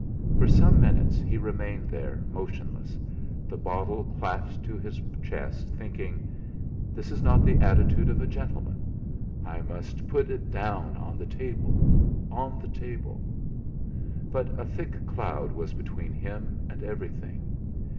For some minutes he remained there motionless, the bottle clasped to his chest, thinking: 'This is not the attitude of a gentleman. I must put it down on the table on the table;' but a thick cloud was between him and everything.